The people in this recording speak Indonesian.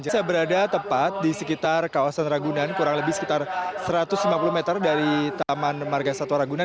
saya berada tepat di sekitar kawasan ragunan kurang lebih sekitar satu ratus lima puluh meter dari taman marga satwa ragunan